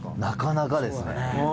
なかなかですね。